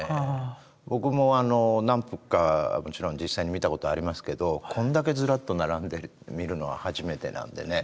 僕も何幅かもちろん実際に見たことはありますけどこんだけずらっと並んで見るのは初めてなんでね。